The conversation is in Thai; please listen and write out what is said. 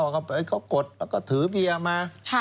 เขากดแล้วก็ถือเบียร์มา